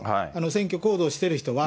選挙行動をしてる人は。